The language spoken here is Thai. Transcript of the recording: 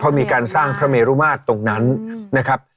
เพราะมีการสร้างพระเมรุมาตรตรงนั้นนะครับ